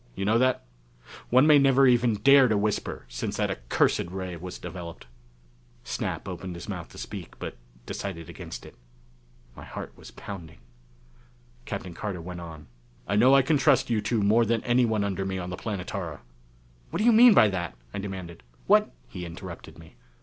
You know that? One may never even dare to whisper since that accursed ray was developed." Snap opened his mouth to speak but decided against it. My heart was pounding. Captain Carter went on: "I know I can trust you two more than anyone under me on the Planetara." "What do you mean by that?" I demanded. "What " He interrupted me.